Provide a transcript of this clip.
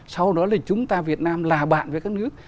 sau đó là chúng ta việt nam là bạn với các nước